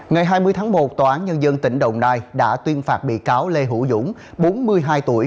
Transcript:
ngày hai mươi tháng một tòa án nhân dân tỉnh đồng nai đã tuyên phạt bị cáo lê hữu dũng bốn mươi hai tuổi